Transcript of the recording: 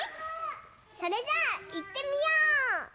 それじゃあいってみよう！